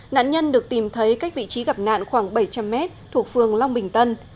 nạn nhân được tìm thấy cách vị trí gặp nạn khoảng bảy trăm linh m thuộc phường long bình tân